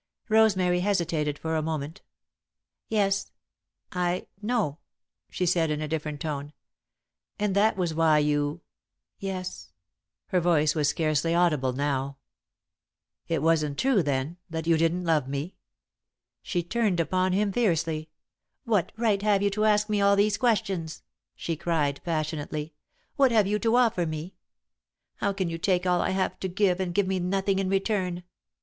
Rosemary hesitated for a moment. "Yes, I know," she said, in a different tone. "And that was why you " "Yes." Her voice was scarcely audible now. "It wasn't true, then, that you didn't love me?" [Sidenote: Alden Confesses] She turned upon him fiercely. "What right have you to ask me all these questions?" she cried, passionately. "What have you to offer me? How can you take all I have to give and give me nothing in return?